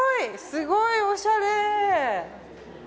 すごいおしゃれ。